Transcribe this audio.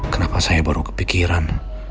kenapa saya baru kepikiran